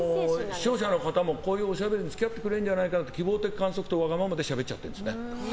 視聴者の方もこういうおしゃべりに付き合ってくれるんじゃないかなっていう希望的観測とわがままでしゃべっちゃってます。